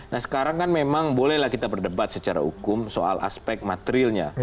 nah sekarang kan memang bolehlah kita berdebat secara hukum soal aspek materialnya